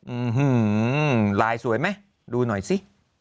อืมลายสวยไหมดูหน่อยสิ